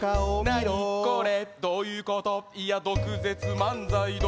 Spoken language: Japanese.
なにこれどういうこといやどくぜつまんざいどこいったの？